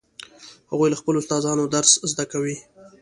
هغوی له خپلو استادانو درس زده کوي